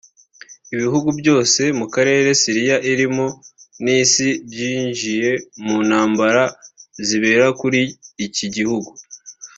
Ibihugu byo mu karere Syria irimo n’isi byinjiye mu ntambara zibera muri iki gihugu